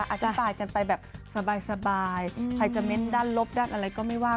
อธิบายกันไปแบบสบายใครจะเม้นด้านลบด้านอะไรก็ไม่ว่า